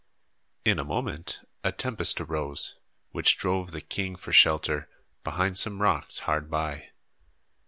In a moment a tempest arose, which drove the king for shelter behind some rocks hard by.